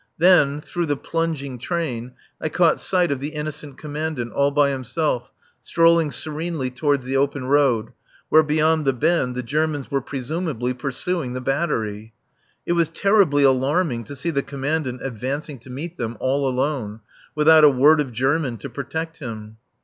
Then, through the plunging train, I caught sight of the innocent Commandant, all by himself, strolling serenely towards the open road, where beyond the bend the Germans were presumably pursuing the battery. It was terribly alarming to see the Commandant advancing to meet them, all alone, without a word of German to protect him.